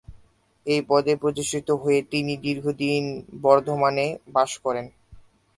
এই পদে প্রতিষ্ঠিত হয়ে তিনি দীর্ঘদিন বর্ধমানে বাস করেন।